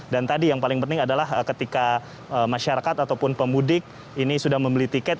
dan tadi yang paling penting adalah ketika masyarakat ataupun pemudik ini sudah membeli tiket